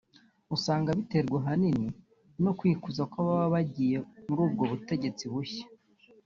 usanga biterwa ahanini no kwikuza kw’ababa bagiye mur’ubwo butegetsi bushya